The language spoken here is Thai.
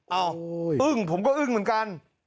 อ้าวอึ้งผมก็อึ้งเหมือนกัน